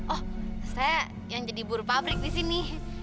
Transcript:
oh saya yang jadi buru pabrik disini